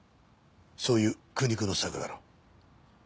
そういう苦肉の策だろう。